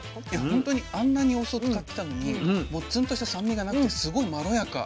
本当にあんなにお酢を使ってたのにもうツンとした酸味がなくてすごいまろやか。